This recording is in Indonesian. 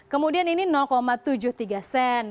kemudian ini tujuh puluh tiga sen